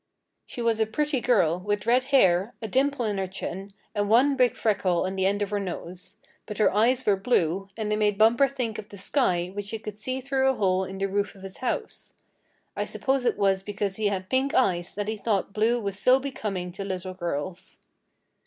She was a pretty girl, with red hair, a dimple in her chin, and one big freckle on the end of her nose; but her eyes were blue, and they made Bumper think of the sky which he could see through a hole in the roof of his house. I suppose it was because he had pink eyes that he thought blue was so becoming to little girls.